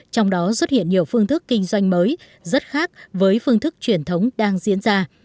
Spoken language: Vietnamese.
trong đó xuất hiện nhiều phương thức kinh doanh mới rất khác với phương thức truyền thống đang diễn ra